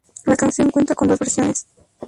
La canción cuenta con dos versiones.